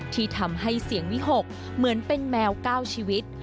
ที่ทำให้เสียงวิหกเหมือนเป็นแมว๙ชีวิต